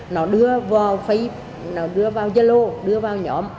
nó đưa vào facebook nó đưa vào zalo đưa vào nhóm